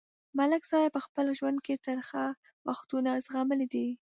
ملک صاحب په خپل ژوند کې ترخه وختونه زغملي دي.